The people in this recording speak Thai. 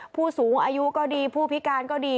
ผู้สูงอายุก็ดีผู้พิการก็ดี